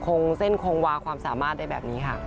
คงเส้นคงวาความสามารถได้แบบนี้ค่ะ